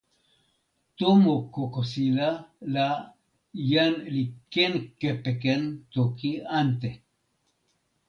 tomo kokosila la jan li ken kepeken toki ante.